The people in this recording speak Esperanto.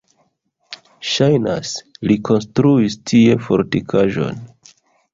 Ŝajnas, li konstruis tie fortikaĵon.